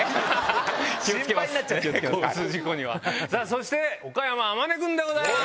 そして岡山天音君でございます。